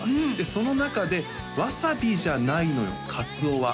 その中で「わさびじゃないのよ鰹は」